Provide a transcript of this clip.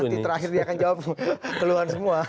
nanti terakhir dia akan jawab keluhan semua